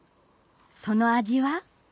その味は？